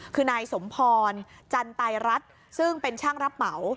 คือนายสมพรจันตรายรัฐซึ่งเป็นช่างรับเหมา